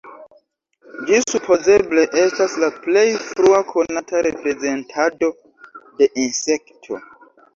Ĝi supozeble estas la plej frua konata reprezentado de insekto.